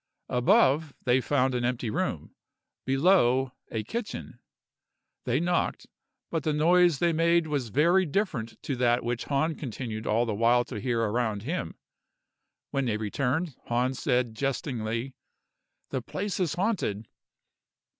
Above, they found an empty room; below, a kitchen. They knocked, but the noise they made was very different to that which Hahn continued all the while to hear around him. When they returned, Hahn said, jestingly, 'The place is haunted!